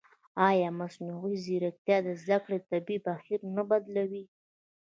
ایا مصنوعي ځیرکتیا د زده کړې طبیعي بهیر نه بدلوي؟